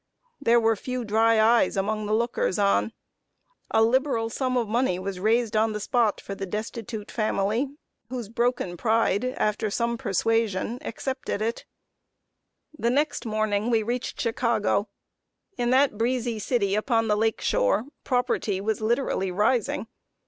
There were few dry eyes among the lookers on. A liberal sum of money was raised on the spot for the destitute family, whose broken pride, after some persuasion, accepted it. [Sidenote: CHICAGO RISING FROM THE EARTH.] The next morning we reached Chicago. In that breezy city upon the lake shore, property was literally rising.